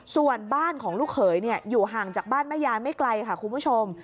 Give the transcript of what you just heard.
ส่วนบ้านของลูกเขยอยู่ห่างจากบ้านแม่ยายไม่ไกลค่ะคุณผู้ชม